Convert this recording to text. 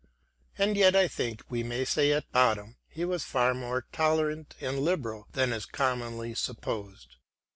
And yet I think we may say that at bottom he was far more tolerant and liberal than is commonly supposed.